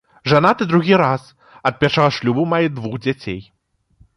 Жанаты другі раз, ад першага шлюбу мае двух дзяцей.